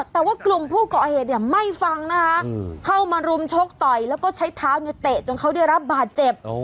แต่ว่ากลุ่มผู้ก่อเหตุเนี่ยไม่ฟังนะคะเข้ามารุมชกต่อยแล้วก็ใช้เท้าเตะจนเขาได้รับบาดเจ็บ